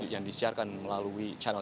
yang disiarkan melalui channel